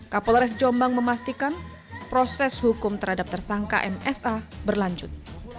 kapolres jombang memastikan proses hukum terhadap tersangka msa berlanjut